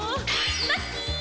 ラッキー！